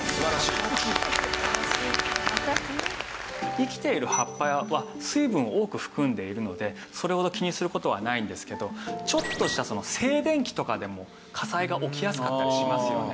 生きている葉っぱは水分を多く含んでいるのでそれほど気にする事はないんですけどちょっとした静電気とかでも火災が起きやすかったりしますよね。